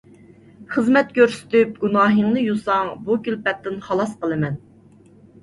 خىزمەت كۆرسىتىپ گۇناھىڭنى يۇساڭ، بۇ كۈلپەتتىن خالاس قىلىمەن.